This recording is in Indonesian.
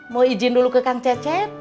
mau izin dulu ke kang cecep